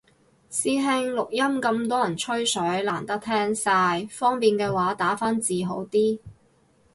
師兄，錄音咁多人吹水難啲聽晒，方便嘅話打返字好啲